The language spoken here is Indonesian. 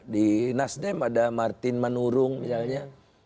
di nasdem ada martin manurung misalnya